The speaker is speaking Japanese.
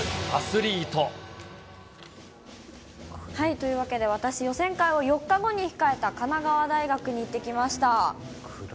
というわけで私、予選会を４日後に控えた神奈川大学に行ってきました。